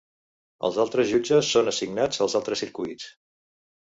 Els altres jutges són assignats als altres circuits.